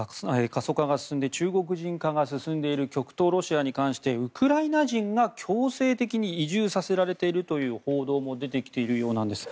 過疎化が進んで中国人化が進んでいる極東ロシアに関してウクライナ人が強制的に移住させられているという報道も出てきているようなんです。